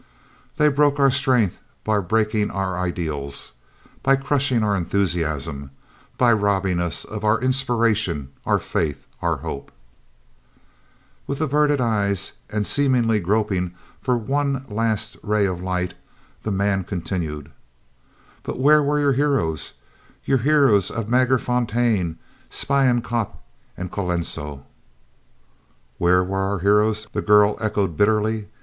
"They broke our strength by breaking our ideals, by crushing our enthusiasm, by robbing us of our inspiration, our faith, our hope " With averted eyes, and seemingly groping for one last ray of light, the man continued: "But where were your heroes your heroes of Magersfontein, Spion Kop, and Colenso?" "Where were our heroes?" the girl echoed bitterly.